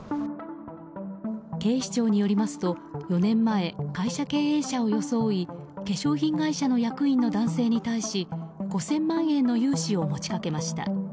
警視庁によりますと４年前、会社経営者を装い化粧品会社の役員の男性に対し５０００万円の融資を持ち掛けました。